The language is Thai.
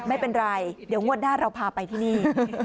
ไม่เป็นไรเดี๋ยวงวดหน้าเราพาไปที่นี่